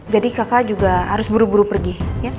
jadi kakak juga harus buru buru pergi